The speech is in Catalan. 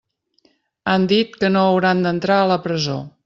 Han dit que no hauran d'entrar a la presó.